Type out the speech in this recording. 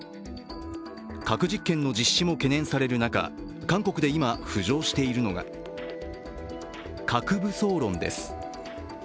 核実験の実施も懸念される中、韓国で今、浮上しているのが核武装論です。